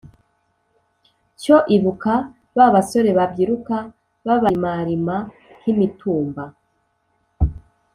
Cyo ibuka ba basore babyiruka Babarimarima nk’imitumba